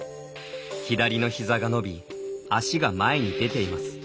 左の膝が伸び足が前に出ています。